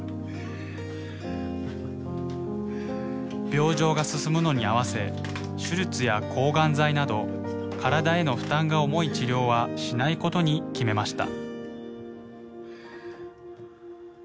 病状が進むのに合わせ手術や抗がん剤など体への負担が重い治療はしないことに決めました。